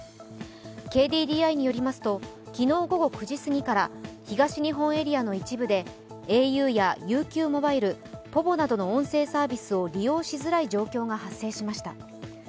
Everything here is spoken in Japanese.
ＫＤＤＩによりますと昨日午後９時過ぎから東日本エリアの一部でａｕやＵＱｍｏｂｉｌｅ、ｐｏｖｏなどの音声サービスを利用しづらい状況が発生しました。